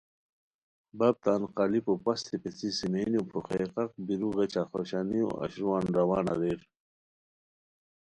بپ تان قالیپو پستی پیڅھی سیمئینو پھوخئے قاق بیرو غیچہ خوشانیو اشروان روان اریر